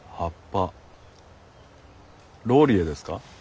ローリエですか？